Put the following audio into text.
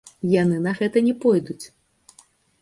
Яны на гэта не пойдуць.